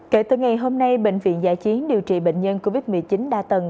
kể từ ngày hôm nay bệnh viện giải chiến điều trị bệnh nhân covid một mươi chín đa tầng